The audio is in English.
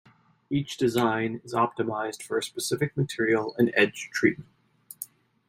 Each design is optimized for a specific material and edge treatment.